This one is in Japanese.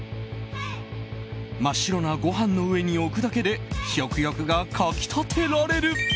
真っ白なご飯の上に置くだけで食欲が、かき立てられる！